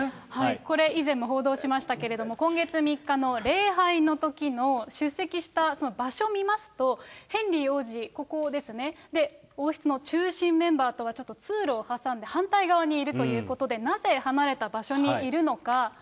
これ、以前も報道しましたけれども、今月３日の礼拝のときの出席したその場所を見ますと、ヘンリー王子、ここですね、王室の中心メンバーとはちょっと通路を挟んで反対側にいるということで、なぜ離れた場所にいるのか。